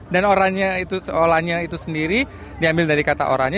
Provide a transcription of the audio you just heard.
dan olanya itu sendiri diambil dari kata oranya